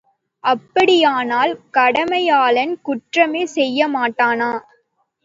அப்படியானால் கடமையாளன் குற்றமே செய்யமாட்டானா?